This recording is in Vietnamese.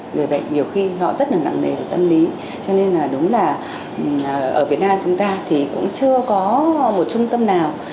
người bệnh nhiều khi họ rất là nặng nề tâm lý cho nên là đúng là ở việt nam chúng ta thì cũng chưa có một trung tâm nào